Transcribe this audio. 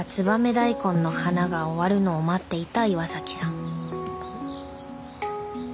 大根の花が終わるのを待っていた岩さん。